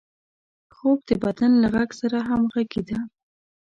خوب د بدن له غږ سره همغږي ده